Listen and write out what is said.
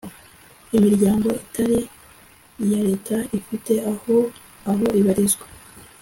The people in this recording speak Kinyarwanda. imiryango itari ya leta ifite aho aho ibarizwa